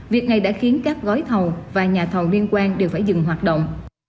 việc này đã khiến các gói thầu và nhà thầu liên quan đều phải dừng hoạt động